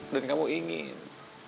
dan kamu ingin